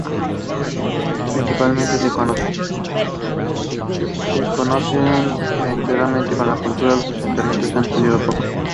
A bust of her namesake was mounted on the pilot house roof.